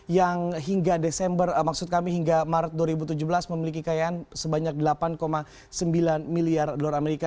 yang hingga maret dua ribu tujuh belas memiliki kekayaan sebanyak delapan sembilan miliar dolar amerika